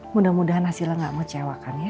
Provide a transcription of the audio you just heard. mudah mudahan hasilnya gak mau cewakan ya